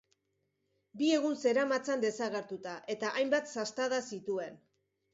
Bi egun zeramatzan desagertuta, eta hainbat sastada zituen.